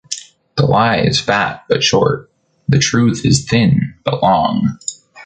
The lie is fat but short, the truth is thin but long.